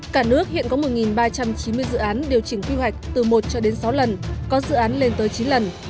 cả nước hiện có một ba trăm chín mươi dự án điều chỉnh quy hoạch từ một cho đến sáu lần có dự án lên tới chín lần